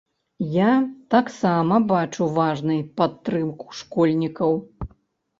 Я таксама бачу важнай падтрымку школьнікаў.